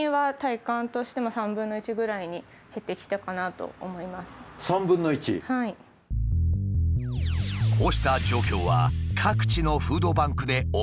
こうした状況は各地のフードバンクで起きているという。